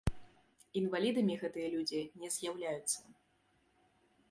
Інвалідамі гэтыя людзі не з'яўляюцца.